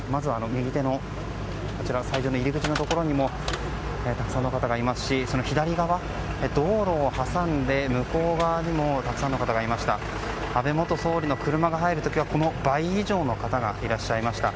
右手の斎場の入り口のところにもたくさんの方がいますしその左側道路を挟んで向こう側にもたくさんの方がいました。